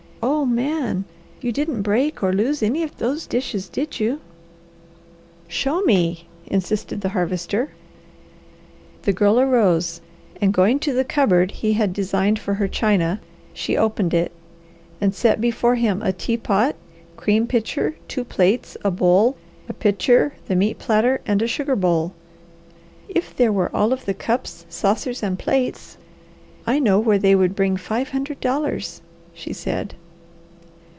"Oh Man! You didn't break or lose any of those dishes, did you?" "Show me!" insisted the Harvester. The Girl arose and going to the cupboard he had designed for her china she opened it, and set before him a teapot, cream pitcher, two plates, a bowl, a pitcher, the meat platter, and a sugar bowl. "If there were all of the cups, saucers, and plates, I know where they would bring five hundred dollars," she said.